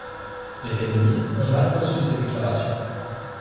Les féministes ont mal reçu ces déclarations.